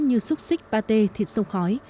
như xúc xích pate thịt sông khói